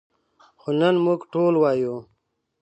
خو نن موږ ټول وایو.